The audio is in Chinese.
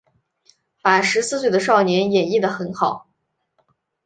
把十四岁的少年演绎的很好